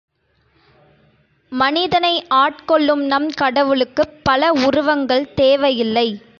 மனிதனை ஆட்கொள்ளும் நம்கடவுளுக்குப் பல உருவங்கள் தேவையில்லை.